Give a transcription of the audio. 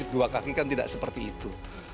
dua kaki kan tidak seperti itu